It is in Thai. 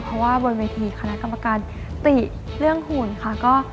เพราะว่าบนเวทีคณะกรรมการติเรื่องหุ่นค่ะ